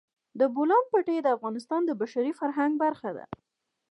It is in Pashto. د بولان پټي د افغانستان د بشري فرهنګ برخه ده.